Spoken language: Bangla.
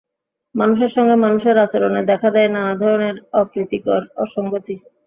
মানুষের সঙ্গে মানুষের আচরণে দেখা দেয় নানা ধরনের অপ্রীতিকর অসংগতি।